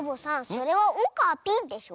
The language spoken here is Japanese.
それは「オカピ」でしょ。